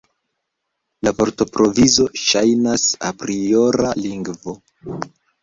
La vortprovizo ŝajnas apriora lingvo.